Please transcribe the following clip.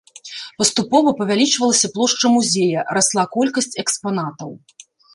Паступова павялічвалася плошча музея, расла колькасць экспанатаў.